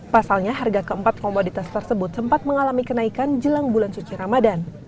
pasalnya harga keempat komoditas tersebut sempat mengalami kenaikan jelang bulan suci ramadan